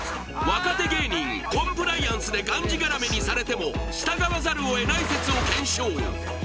若手芸人コンプライアンスでがんじがらめにされても従わざるを得ない説を検証